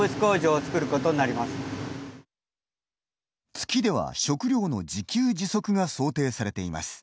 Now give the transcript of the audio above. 月では食糧の自給自足が想定されています。